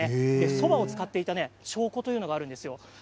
そばを使っていた証拠というのがあるんですよ。